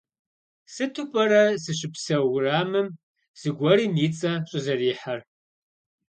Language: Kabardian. Сыту пӏэрэ сыщыпсэу уэрамым зыгуэрым и цӏэ щӏызэрихьэр?